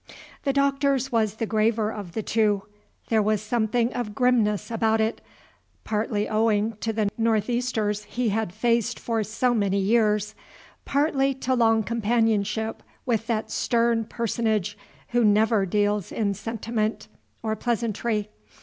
The Doctor's was the graver of the two; there was something of grimness about it, partly owing to the northeasters he had faced for so many years, partly to long companionship with that stern personage who never deals in sentiment or pleasantry.